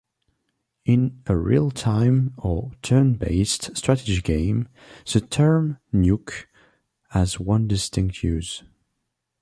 In a real-time or turn-based strategy game, the term "nuke" has one distinct use.